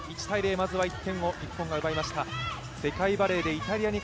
まずは１点を日本が奪いました。